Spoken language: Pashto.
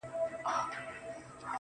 په سپوږمۍ كي زمـــا ژوندون دى.